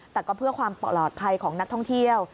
แต่ก็เพื่อความปลอดภัยของนักท่องเที่ยว